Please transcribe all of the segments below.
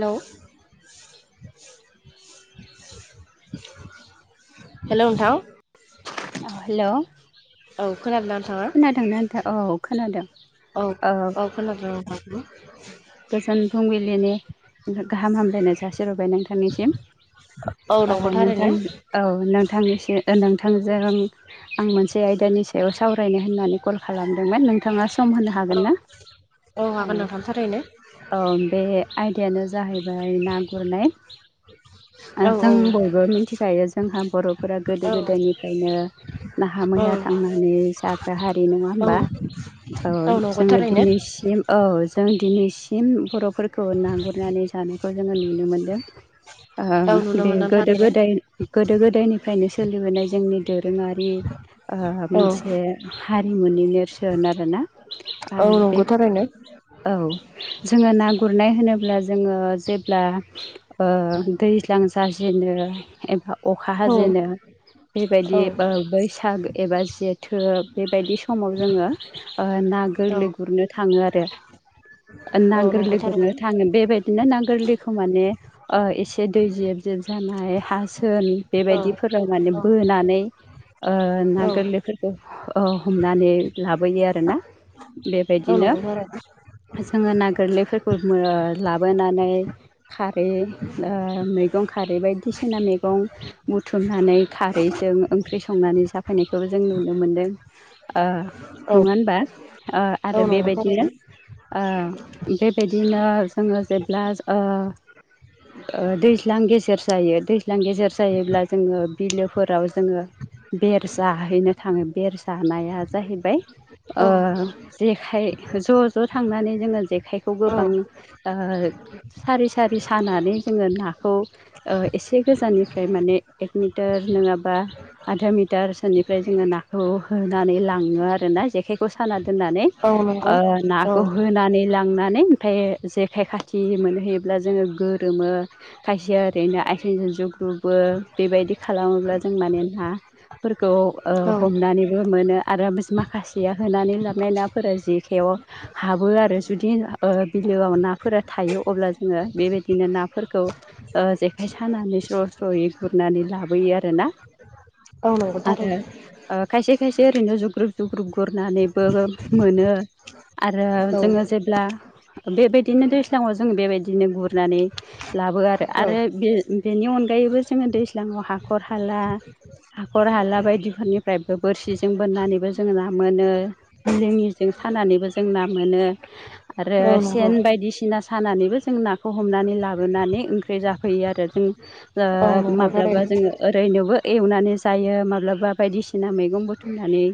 हेल' [inaudible] हेल' नोंथां। हेल' औ खोनादों ना नोथांङा खोनादोंना नोथा औ खोनादों औ औ खोनादों नोंथांखौबो गोजोन फुंबिलिनि गाहाम हामलायनाय सासि हरबाय नोंथा निसिम औ नंगौ थारैनो नोंथांनिसो नोंथांजों आं मोनसे आयदानि सायाव सावरायनो होननानै कल खालामदोंमोन नों नोंथाङा सम होनो हागोन ना? औ खारैनो औ बे आयदायानो जाहैबाय ना गुरनाय औ जों बयबो मिथिखायो जोंहा बर'फोरा औ गोदो गोदायनिफ्रायनो नाहा मैहा थांनानै जाग्रा हारि नङा औ होमबा? औ नंगौ जोङो थारैनो दिनैसिम औ जों दिनैसिम बर'फोरखौ ना गुरनानै जानायखौ जोङो नुनो मोनदों ओ औ नुनो बे मोनदों गोदो थारैनो गोदाय गोदो गोदायनिफ्रायनो सोलिबोनाय जोंनि दोरोङारि आ - औ मोनसे हारिमुनि नेरसोन आरोना अ बे नो औ जोङो ना गुरनाय होनोब्ला जोङो जेब्ला ओ दैज्लां जाजेनो एबा अखा औ हाजेनो बेबायदि औ बैसाग एबा जेथो बेबायदि समाव जोङो ओ- ना औ गोरलै गुरनो थाङो आरो ना औ नंगौ गोरलै गुरनो थारैनो थाङो बेबाय दिनो ना गोरलैखो माने एसे दै जेब जेब जानाय हा थोन औ बेबायदि फोराननानै माने बोनानै ना औ गोरलैफोर हमनानै लाबोयो आरोना बेबायदिनो [unintelligible] जोङो ना गोरलैफोरखौ लाबोनानै खारै मैगं खारै बायदिसिना मैगं बुथुमनानै खारैजों ओंख्रि संनानै जाफैनायखौबो जों नुनो मोन्दों। औ नङा होनबा औ आरो नंगौ थारैनो बेबायदिनो बेबायदिनो ओ जोङो जेब्ला ओ ओ दैज्लां गेजेर जायो दैज्लां गेजेर जायोब्ला जोङो बिलोफोराव जोङो बेर जाहैनो थाङो बेर जानाया जाहैबाय ओ औ जेखाय ज' ज' थांनानै जोङो जेखाइखौ औ गोबां ओ सारि सारि सानानै जोङो नाखौ एसे गोजाननिफ्राय माने एक मिटार नङाबा आधा मिटारसोनिफ्राय जोङो नाखौ होनानै लाङो आरोना जेखाय खौ साना दोननानै औ नंगौ ओ ना औ होनानै लांनानै ओमफाय जेखाइ खाथि मोनोहैयोब्ला जोङो गोरोमो। खायसेया ओरैनो आइथिंजों जुग्लुबो बेबायदि खालामोब्ला जों माने ना फोरखौ औ हमनानैबो मोनो आरो बि माखासेया होनानै लाबनाय नाफोरा जेखायाव हाबो आरो जुदि बिलोआव नाफोरा थायो अब्ला जोङो बेबायदिनो नाफोरखौ जेखाइ सानानै स्र' स्र'यै गुरनानै लाबोयो आरोना। औ नंगौ आरो थारैनो खायसे खायसे ओरैनो जुग्रुब जुग्रुब गुरनानैबो मोनो। आरो औ जोङो जेब्ला बेबायदिनो दैज्लाङाव जों बेबायदिनो गुरनानै लाबो आरो आरो औ बि बेनि अनगायैबो जोङो दैज्लाङाव हाखर हाला हाखर हाला बायदिफोरनिफ्रायबो बोरसिजों बोननानैबो जोङो ना मोनो। लोङिजों सानानैबो जों ना मोनो। आरो औ नंगौ सेन बायदिसिना सानानैबो जों नाखौ हमनानै लाबोनानै ओंख्रि जा फैयो आरो जों औ नंगौ माब्लाबा थारैनो जोङो ओरैनोबो एवनानै जायो माब्लाबा बायदिसिना मैगं बुथुमनानै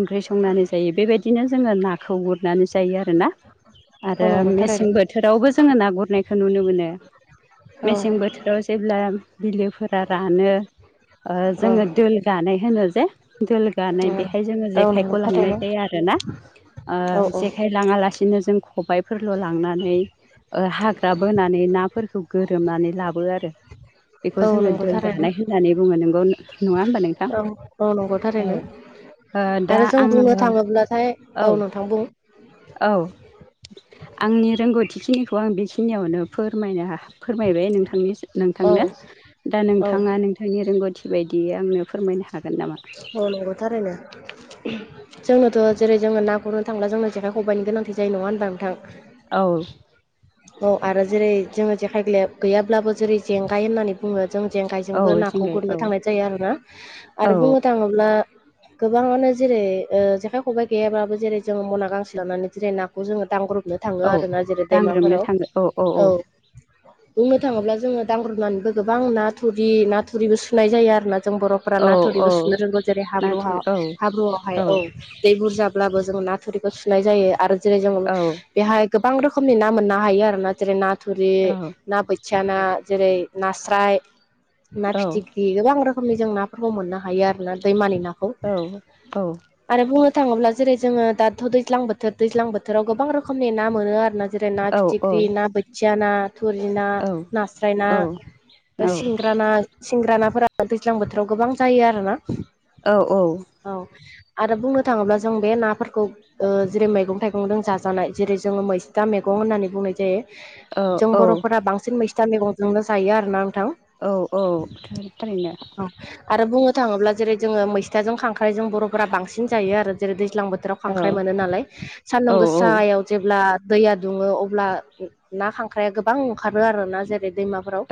ओंख्रि संनानै जायो बेबायदिनो जोङो नाखौबो गुरनानै जायो आरोना औ आरो नंगौ थारैनो मेसें बोथोरावबो जोङो ना गुरनायखौ नुनो मोनो। औ मेसें बोथोराव जेब्ला बिलोफोरा रानो औ उम जोङो दोल गानाय होनो जे दोल गानाय बेहाय जोङो औ नंगौ जेखाइखौ थारैनो लांनायखाय जायो आरोना। औ औ लाङा लासिनो जों खबबायफोरल' लांनानै हाग्रा बोनानै नाफोरखौ गोरोमनानै लाबो आरो। बेखौ औ जोङो नंगौ दोन थारैनो जानाय होननानै बुङो नोंगौ नङा होमबा नोंथां औ औ नंगौ औ। थारैनो ओ दा आरो जों आङो बुंनो थाङोब्लाथाय औ नोंथां बुं औ। आंनि रोंगौथिखिनिखौ आं बेखिनियावनो फोरमायनो हा फोरमायबाय नोंथांनिसिम। औ नोंथांनो दा औ नोंथाङा नोंथांनि रोंगौथि बायदि आंनो फोरमायनो हागोन नामा? मावनांगौथारोनो। जोंनोथ' जेरै जोङो ना गुरनो थांब्ला जोंनो जेखाइ खबायनि गोनांथि जायो नङा होनबा नोंथां? औ औ आरो जेरै जोङो जेखाय ग्लैया-गैयाब्लाबो जेरै जेंगाय होननानै बुङो जों औ जेंगायजोंबो नाखौ जेंगाय औ गुरनो थांनाय जायो आरोना औ आरो बुंनो थाङोब्ला गोबाङानो जेरै जेखाइ खबाइ गैयाब्लाबो जेरै जोंङो मना गांसे लानानै जेरै नाखौ जोङो दांब्रबनो थाङो औ आरो ना जेरै दैमाफोराव औ। बुंनो थाङोब्ला जोङो दांब्रब्रनानैबो गोबां नाथुरि नाथुरिबो सुनाय जायो आरो ना। जों बर'फोरा औ ना औ थुरिबो सुनो रोंगौ जेरै हाब्रु हा नाथुर औ हाब्रु हाय औ दै बुरजा ब्लाबो जों नाथुरिखौ सुनाय जायो आरो जेरै जोङो औ बेहाय गोबां रोखोमनि ना मोननो हायो आरो ना जेरै ना थुरि औ औ औ ना बोथिया औ ना जेरै नास्राय ना फिथिख्रि गोबां रोखोमनि जों नाफोरखौ मोननो हायो आरो ना दैमानि ना औ औ। आरो बुंनो थाङोब्ला जेरै जोङो दाथ' दैज्लां बोथोर दैज्लां बोथोराव गोबां रोखोमनि ना मोनो आरोना। जेरै ना फिथिख्रि ना बोथिया ना थुरि ना नास्राय ना। सिंग्रा ना सिंग्रा नाफोरा दैज्लां बोथोराव गोबां जायो आरोना। औ औ। औ आरो बुंनो थाङोब्ला जों बे नाफोरखौ ओ जेरै मैगं थाइगंजों जाजानाय जेरै जोङो मैसथा मैगं होननानै बुंनाय जायो। जों बर'फोरा बांसिन मैस्था मैगंजोंनो जायो आरोना नोंथां। औ औ थारैनो। औ आरो बुंनो थाङोब्ला जेरै जोङो मैस्थाजों खांख्राइजों बर'फोरा बांसिन जायो आरो जेरै दैज्लां बोथोराव खांख्राय मोनो नालाय औ सान्दुं गोसायाव जेब्ला दैया दुङो अब्ला ना खांख्राया गोबां ओंखारो आरोना जेरै दैमाफोराव।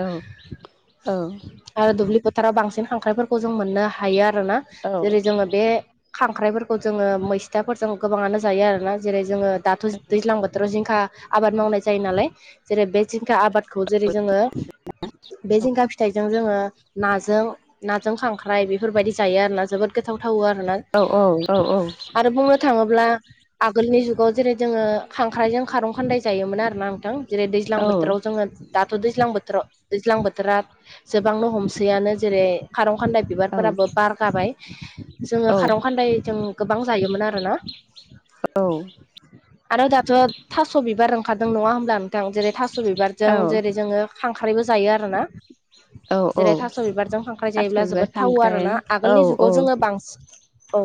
आरो दुब्लि फोथाराव बांसिन खांख्राइफोरखौ जों मोननो हायो आरोना औ जेरै जोङो बे खांख्राइफोरखौ जोङो मैस्थाफोरजों गोबाङानो जायो आरोना जेरै जोङो दाथ' दैज्लां बोथोराव जिंखा आबाद मावनाय जायो नालाय जेरै बे जिंखा आबाद खौ जेरै जोङो बे जिंगा फिथाइजों जोङो नाजों नाजों खांख्राइ बेफोरबायदि जायो आरो ना जोबोद गोथाव थावो आरोना आरो बुंनो थाङोब्ला आगोलनि जुगाव जेरै जोङो खांख्राइजों खारं खान्दाय जायोमोन आरोना नोंथां। जेरै दैज्लां बोथोराव जोङो दाथ' दैज्लां बोथोराव दैज्लां बोथोरा जोबांनो हमसैयानो जेरै खारं खान्दाय बिबार फोराबो बारगाबाय। जोङो खारं खान्दाय जों गोबां जायोमोन आरोना। आरो दाथ' थास' बिबार ओंखारदों नङा होमब्ला नो थां जेरै थास' बिबारजों जेरै जोङो खांख्राइबो जायो आरो ना। जेरै थास' बिबारजों खांख्राइ जायोब्ला जोबोद थावो आरोना आगोलनि जुगाव जोङो बांस औ।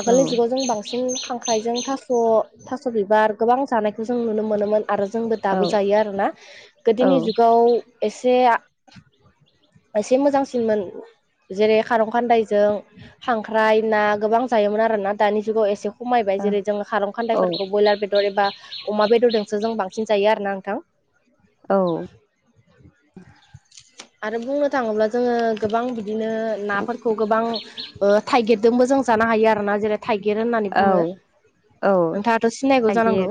आगोलनि जुगाव जों बांसिन खांख ख्राइजों थास' थास' बिबार गोबां जानायखौ जों नुनो मोनोमोन। आरो जोंबो दाबो जायो आरोना गोदोनि जुगाव एसेआ एसे मोजांसिनमोन। जेरै खारं खान्दायजों खांख्राइ ना गोबां जायोमोन आरोना दानि जुगाव एसे खमायबाय जेरै जों खारं खान्दायफोरखौ ब्रयलार बेदर एबा अमा बेदरदोंसो जों बांसिन जायो आरोना नोंथां। औ। आरो बुंनो थाङोब्ला जोङो गोबां बिदिनो नाफोरखौ गोबां ओ थाइगिरदोंबो जों जानो हायो आरोना जेरै थाइगिर होननानै औ बुङो। औ औ नोंथाङाथ' सिनायगौ थागिर जानांगौ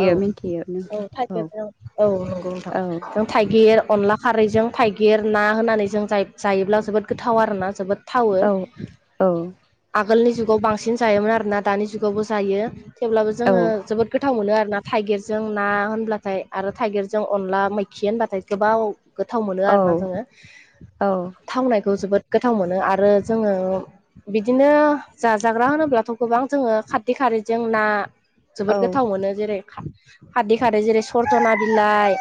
औ मिथियो औ थायगेरजों। औ नंगौ औ नोथां। थाइगिर अनला खारैजों थाइगिर ना होनानै जों जायोब्ला जोबोद गोथाव आरोना जोबोद। थावो औ औ आगोलनि जुगाव बांसिन जायोमोन आरोना दानि जुगावबो जायो। थेवब्लाबो औ जोङो जोबोद गोथाव मोनो आरो ना थाइगिरजों ना होनब्लाथाय आरो थाइगिरजों अनला मैखि होनबाथाय गोबाव थाव मोनो औ आरोना जोङो औ थावनायखौ जोबोद गोथाव मोनो आरो जोङो बिदिनो जाजाग्रा होनोब्लाथ' गोबां जोङो खारदि खारिजों ना जोबोद औ गोथाव मोनो जेरै खारदि खारै जेरै सरजना बिलाइ।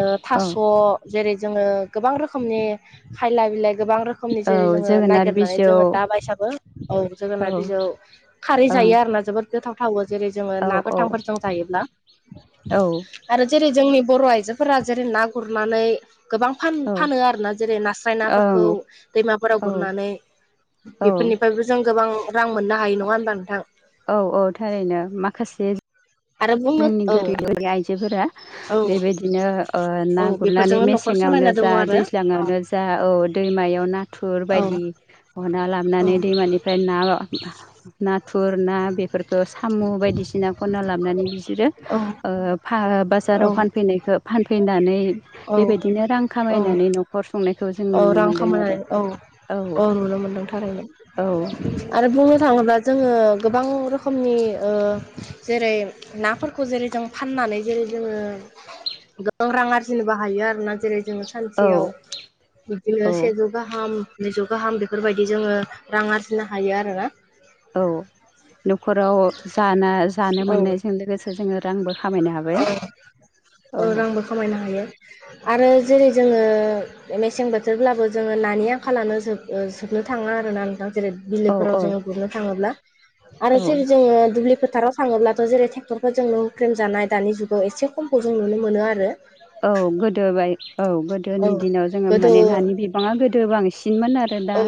ओ औ थास' जेरै जोङो गोबां रोखोमनि खायला बिलाइ गोबां रोखोमनि औ जेरै जोङो जोगोनार नागिरनानै बिजौ जोङो दा बायसाबो औ जोगोनार बिजौ खारै ओं जायो आरो ना जोबोद गोथाव थावो जेरै जोङो औ ना गोथांफोरजों जायोब्ला। औ आरो जेरै जोंनि बर' आइजोफोरा जेरै ना गुरनानै गोबां फान-फानो आरोना जेरै नास्राय नाफोरखौ दैमाफोराव गुरनानै। औ बेफोरनिफ्रायबो जों गोबां रां मोननो हायो नङा होमबा नोंथां? औ थारैनो माखासे आरो बुंनो जोंनि औ गोरिब गोरि आइजोफोरा औ बेबायदिनो ओ औ ना गुरनानै बेफोरजोंनो मेसें न'खर ङावनो सालायना दङ जा आरो दैज्लाङावनो जा औ दैमायाव नाथुर औ बायदि हना औ लाबनानै दैमानिफ ओमफ्राय ना नाथुर ना बेफोरखौ साम' बायदिसिना खनना लाबनानै बि औ ओ औ बाजाराव फानफैनायखौ फानफैनानै औ बेबायदिनो रां औ खामायनानै न'खर सुंनायखौ जों नुनो मोन्दों आरो। अ नुनो मोनदों थारैनो। औ आरो बुंनो थाङोब्ला जोङो गोबां रोखोमनि ओ जेरै नाफोरखौ जेरै जों फाननानै जेरै जोङो गोबां रां आरजिनोबो हायो आरोना जेरै जोङो औ सानसेयाव बिदिनो औ सेजौ गाहाम नैजौ गाहाम बेफोरबायदि जोङो रां आरजिनो हायो आरोना। औ न'खराव जाना-जानो औ मोननायजों लोगोसे जोङो रांबो खामायनो हाबाय औ। खामायनो हायो आरो जेरै जोङो मेसें बोथोरब्लाबो जोङो नानि आंखालानो जोब-जोबनो थाङा आरोना नोंथां जेरै औ बिलोफोराव औ जोङो गुरनो थाङोब्ला आरो औ जेरै जोङो दुब्लि फोथाराव थाङोब्लाथ' जेरै ट्रेक्टरफोरजों हुख्रेम जानाय दानि जुगाव एसे खमखौ जों नुनो मोनो आरो। औ गोदो बाय औ औ गोदोनि दिनाव जोङो गोदो माने नानि बिबाङा गोदो बांसिनमोन आरो। दा औ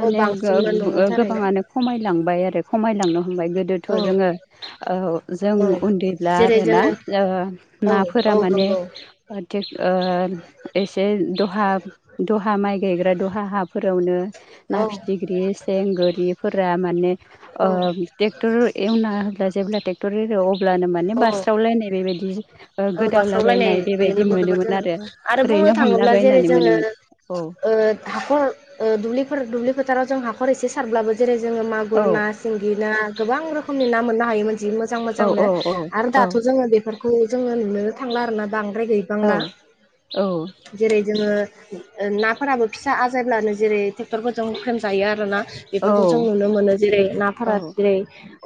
औ माने बांसिनमोन नंगौ थारैनो गोबाङानो खमायलांबाय आरो खमायलांनो हमबाय गोदो थ' औ जोङो ओ जों औ उन्दैब्ला जेरै आरोना जोङो ओ औ नाफोरा औ माने नंगौ ओ एसे द'हा दहा माइ गायग्रा दहा हाफोरावनो ना औ फिथिख्रि, सें, गोरिफोरा माने ओ औ ट्रेक्टर एवना होब्ला जेब्ला ट्रेक्टर एरो अब्लानो माने औ बास्रावलायनाय बेबायदि ओ औ बास्रावलायनाय गोदावलाबायनाय नुनो बेबायदि मोनोमोन जोङो आरो आरो बुंनो ओरैनो थाङोब्ला जेरै हमलाबायनानै जोङो मोनोमोन। ओ हाखर ओ दुब्लिफोर दुब्लि‌ फोथाराव जों हाखर एसे सारब्लाबो जेरै जोङो औ मागुर नास सिंगि ना गोबां रोखोमनि ना मोननो हायोमोन जि मोजां औ मोजांनो औ आरो औ दाथ' जोङो बेफोर खौ जोङो नुनो थांला आरोना बांद्राय औ गैबांला। औ जेरै जोङो नाफोराबो फिसा आजायब्लानो जेरै ट्रेक्टरफोरजों होख्रेमजायो आरो ना। औ बेफोरखौ जों नुनो मोनो जेरै नाफोरा औ जेरै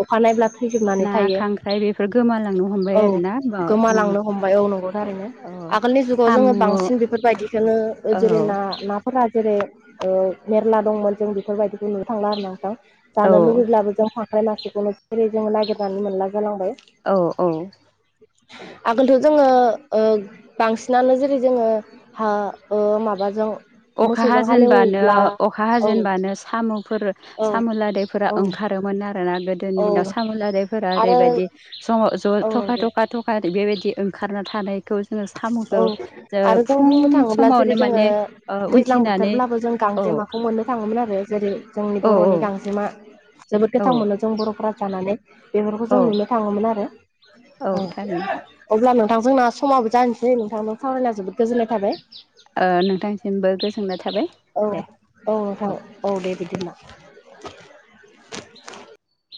अखानायब्ला थैजोबनानै ना थायो खांख्राइ बेफोर गोमालांनो हमबाय औ आरोना अ उम गोमालांनो हमबाय औ नंगौ थारैनो। औ आगोलनि जुगाव साम' जोङो औ बांसिन बेफोरबायदिखौनो जेरै ना ना फोरा जेरै ओ मेरला दंमोन जों बेफोरबायदिखौ नुनो थांला आरोना नोंथां। औ जानो लुुबैब्लाबो जों खांख्राइ मासेखौनो जेरै जों नागिरनानै मोनला जालांबाय। औ औ आगोलथ' जोङो ओ बांसिनानो जेरै जोङो हा ओ माबाजों अखा मोसौजों हाजेनबानो हालेवब्ला अ अखा औ हाजेनबानो साम'फोर औ साम' लादायफोरा औ ओंखारोमोन आरोना गोदो। गोदोनि औ दिनाव साम' लदायफोरा आरो ओरैबायदि ज' ज' औ थखा नंगौ थखा थ बेबायदि ओंखारना थानाय खौ जोङो औ साम'खौ जों आरो फुं बुंनो थाङोब्ला जेरै समावनो जोङो माने ओ दैज्लां उन्थिनानै बोथोरब्लाबो जों औ गांजेमाखौ मोननो थाङोमोन आरो जेरै जोंनि औ औ बर'नि गांजेमा जोबोद औ गोथाव मोनो जों बर'फोरा जानानै। बेफोरखौ जों औ नुनो थाङोमोन आरो औ थारैनो अब्ला नोंथांजोंना समाबो जानोसै नोंथांमोनाव सावरायनायाव जोबोद गोजोननाय थाबाय। ओ नोंथांनिसिमबो गोजोननाय थाबाय औ दे औ नोंथां औ दे बिदिब्ला